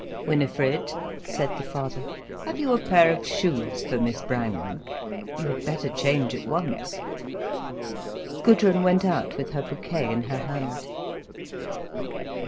"Winifred," said the father, "have you a pair of shoes for Miss Brangwen? You had better change at once—" Gudrun went out with her bouquet in her hand.